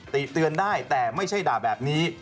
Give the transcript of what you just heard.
ติเตือนได้แต่ไม่ใช่ด่าแบบนี้